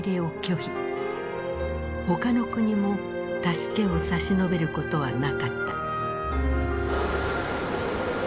他の国も助けを差し伸べることはなかった。